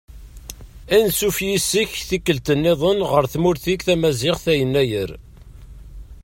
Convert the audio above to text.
Ansuf yis-k tikkelt-nniḍen ɣer tmurt-ik tamaziɣt a Yennayer.